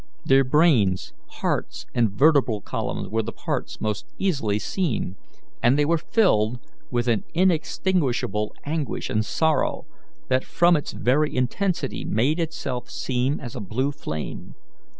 Their brains, hearts, and vertebral columns were the parts most easily seen, and they were filled with an inextinguishable anguish and sorrow that from its very intensity made itself seen as a blue flame.